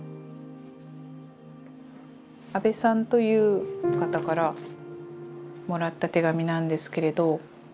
阿部さんという方からもらった手紙なんですけれど。